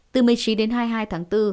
từ một mươi chín hai mươi hai tháng bốn